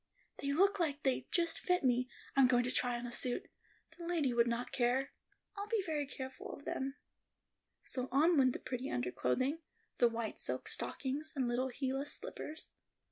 "They look like they'd just fit me—I'm going to try on a suit—the lady would not care—I'll be very careful of them." So on went the pretty underclothing, the white silk stockings, and little heelless slippers.